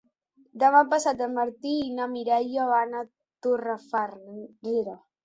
Demà passat en Martí i na Mireia van a Torrefarrera.